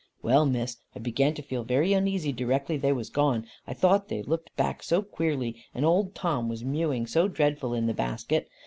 "Well, Miss, I began to feel very uneasy directly they was gone. I thought they looked back so queerly, and old Tom was mewing so dreadful in the basket.